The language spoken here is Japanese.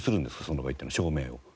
その場合っていうのは照明を。